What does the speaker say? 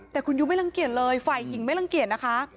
แต่คุณยุไม่รังเกียจเลยฝ่ายหญิงไม่รังเกียจนะคะ